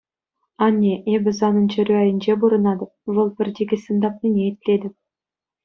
Анне, эпӗ санӑн чӗрӳ айӗнче пурӑнатӑп, вӑл пӗр тикӗссӗн тапнине итлетӗп.